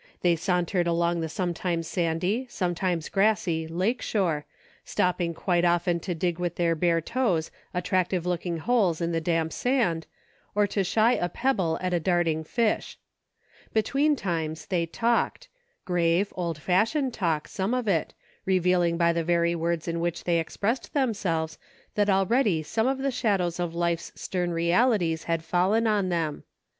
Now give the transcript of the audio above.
They sauntered along the sometimes sandy, sometimes grassy, lakeshore, stopping quite often to dig with their bare toes attractive looking holes in the damp sand, or to shy a pebble at a darting fish ; between times they talked ; grave, old fashioned talk, some of it, revealing by the very words in which they expressed themselves that al ready some of the shadows of life's stern realities had fallen on them.